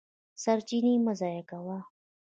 سرچینې مه ضایع کوه.